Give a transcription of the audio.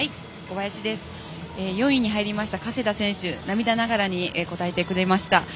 ４位に入りました加世田選手涙ながらに答えてくれました。